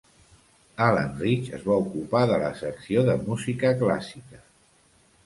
Alan Rich es va ocupar de la secció de música clàssica.